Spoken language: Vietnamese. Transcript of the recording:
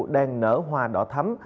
đang nở hoa đỏ thấm